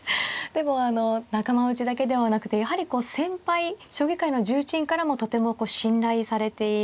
でもあの仲間内だけではなくてやはりこう先輩将棋界の重鎮からもとても信頼されていらっしゃる。